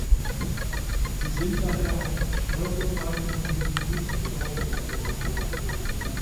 Sie sind daher auch steuerbefreit und müssen nicht zur Hauptuntersuchung.